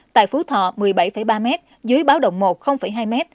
tại phú thọ một mươi bảy ba m dưới báo động một hai m